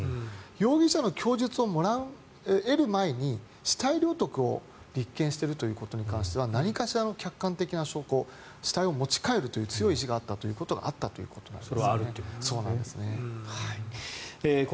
容疑者の供述を得る前に死体領得を立件してるということに関しては何かしらの客観的な証拠死体を持ち帰るという強い意思があったということがあったということですね。